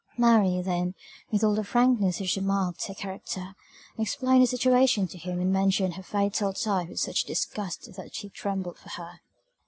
Mary, then, with all the frankness which marked her character, explained her situation to him and mentioned her fatal tie with such disgust that he trembled for her.